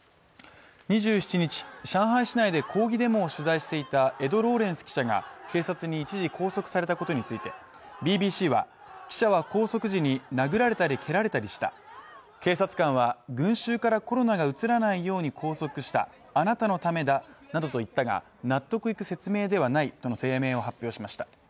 ２７日、上海市内で抗議デモを取材していたエド・ローレンス記者が警察に一時、拘束されたことについてＢＢＣは、記者は拘束時に殴られたり蹴られたりした、警察官は群衆からコロナがうつらないように拘束した、あなたのためだなどと言ったが納得いく説明ではないとの声明を発表しました。